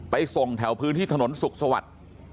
ส่งแถวพื้นที่ถนนสุขสวัสดิ์